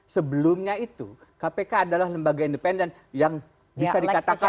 sebelumnya itu kpk adalah lembaga independen yang bisa dikatakan